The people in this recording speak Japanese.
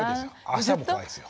朝も怖いですよ。